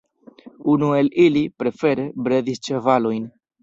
Unu el ili, prefere, bredis ĉevalojn.